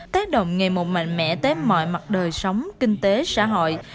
tác động ngày một mạnh mẽ tới mọi mặt đời sống kinh tế xã hội